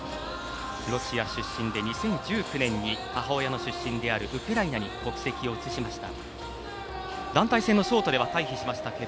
ロシア出身で２０１９年に母親の出身であるウクライナに国籍を移しました。